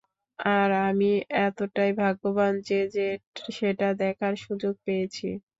আর আমি এতটাই ভাগ্যবান যে, সেটা দেখার সুযোগ পেয়েছি!